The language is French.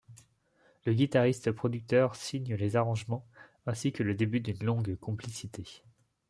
Le guitariste-producteur signe les arrangements, ainsi que le début d'une longue complicité.